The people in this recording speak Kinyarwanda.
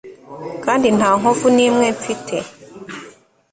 Kandi nta nkovu nimwe mfite